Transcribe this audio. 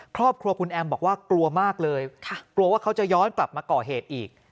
ครอบครัวคุณแอมบอกว่ากลัวมากเลยกลัวว่าเขาจะย้อนกลับมาก่อเหตุอีก